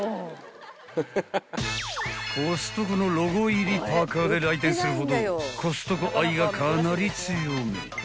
［コストコのロゴ入りパーカーで来店するほどコストコ愛がかなり強め］